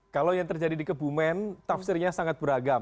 kalau yang terjadi di kebumen tafsirnya sangat beragam